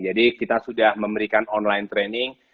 jadi kita sudah memberikan online training